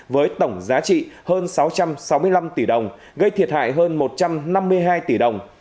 với tổng giá trị hơn sáu trăm sáu mươi năm tỷ đồng gây thiệt hại hơn một trăm năm mươi hai tỷ đồng